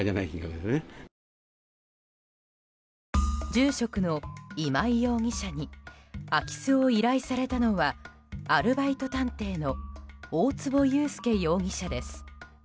住職の今井容疑者に空き巣を依頼されたのはアルバイト探偵の大坪裕介容疑者です。